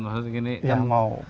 maksudnya begini yang mau